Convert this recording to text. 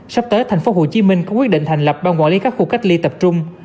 sắp tới tp hcm có quyết định thành lập ban quản lý các khu cách ly tập trung